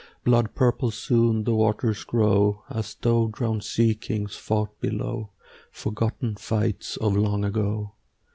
Blood purple soon the waters grow, As though drowned sea kings fought below Forgotten fights of long ago.